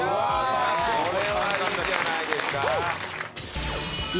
これはいいじゃないですか。